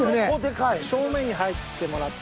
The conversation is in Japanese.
正面に入ってもらって。